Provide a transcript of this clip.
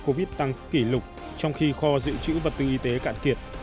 covid tăng kỷ lục trong khi kho dự trữ vật tư y tế cạn kiệt